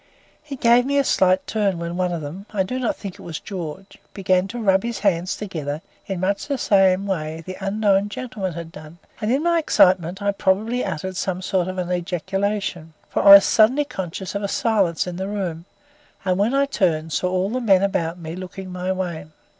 It gave me a slight turn when one of them I do not think it was George began to rub his hands together in much the way the unknown gentleman had done, and, in my excitement, I probably uttered some sort of an ejaculation, for I was suddenly conscious of a silence in the room, and when I turned saw all the men about me looking my way.